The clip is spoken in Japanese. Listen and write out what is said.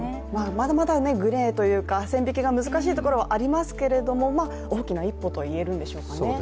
まだまだグレーというか線引きが難しいところがありますけれども、大きな一歩といえるんでしょうかね。